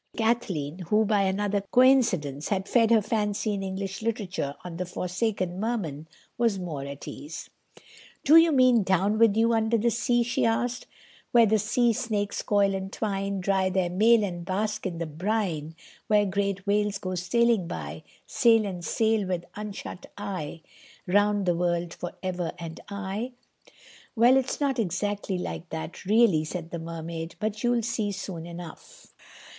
Kathleen who, by another coincidence, had fed her fancy in English literature on the "Forsaken Merman" was more at ease. "Do you mean down with you under the sea?" she asked— "'_Where the sea snakes coil and twine, Dry their mail and bask in the brine, Where great whales go sailing by, Sail and sail with unshut eye Round the world for ever and aye?_'" "Well, it's not exactly like that, really," said the Mermaid; "but you'll see soon enough."